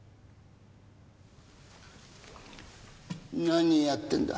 何やってんだ？